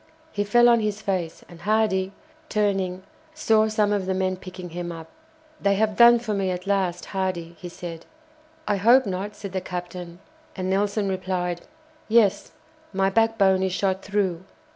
He fell on his face, and Hardy, turning, saw some of the men picking him up. "They have done for me at last, Hardy," he said. "I hope not," said the captain. And Nelson replied: "Yes, my backbone is shot through."